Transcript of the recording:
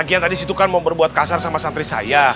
mas disitu kan mau berbuat kasar sama santri saya